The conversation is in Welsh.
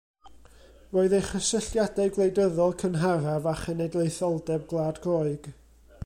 Roedd ei chysylltiadau gwleidyddol cynharaf â chenedlaetholdeb Gwlad Groeg.